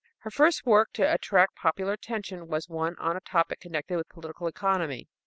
Her first work to attract particular attention was one on a topic connected with political economy.